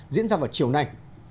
diễn ra vào chiều nay